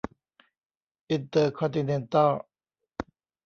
อินเตอร์คอนติเนนตัล